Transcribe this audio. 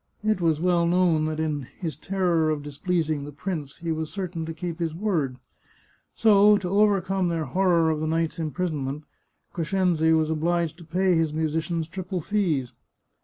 It was well known that in his terror of displeasing the prince he was certain to keep his word ; so, to overcome their horror of the night's imprisonment, Crescenzi was obliged to pay his musicians triple fees.